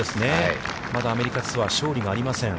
まだアメリカツアー、勝利がありません。